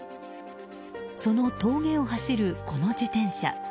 その峠を走る、この自転車。